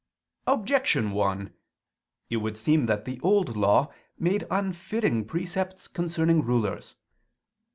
Objection 1: It would seem that the Old Law made unfitting precepts concerning rulers.